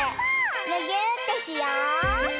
むぎゅーってしよう！